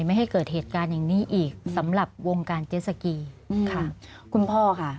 ไม่ให้เกิดเหตุการณ์อย่างนี้อีกสำหรับวงการเจสสกีอืมค่ะคุณพ่อค่ะ